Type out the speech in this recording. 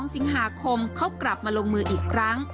๒สิงหาคมเขากลับมาลงมืออีกครั้ง